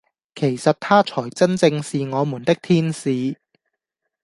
其實他才真正是我們的天使。